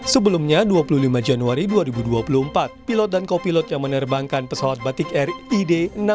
sebelumnya dua puluh lima januari dua ribu dua puluh empat pilot dan kopilot yang menerbangkan pesawat batik air id enam ribu tujuh ratus dua puluh tiga